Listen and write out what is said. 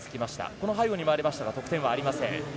この背後に回りますと得点はありません。